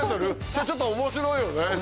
ちょっと面白いよね。